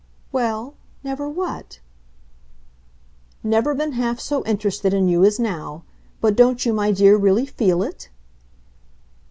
"Well, never what?" "Never been half so interested in you as now. But don't you, my dear, really feel it?"